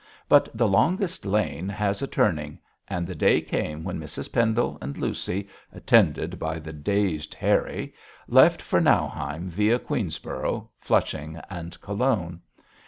But the longest lane has a turning, and the day came when Mrs Pendle and Lucy, attended by the dazed Harry, left for Nauheim viâ Queenborough, Flushing and Cologne.